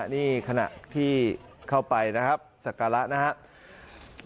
นี่คณะที่เข้าไปสักการะนะครับ